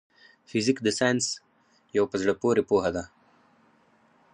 فزيک د ساينس يو په زړه پوري پوهه ده.